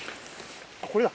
これだ！